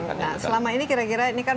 nah selama ini kira kira ini kan menurut anda